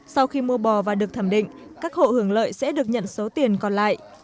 sau khi mua bò và được thẩm định các hộ hưởng lợi sẽ được nhận số tiền còn lại